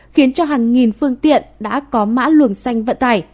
khiến cho hàng nghìn phương tiện đã có mã luồng xanh vận tải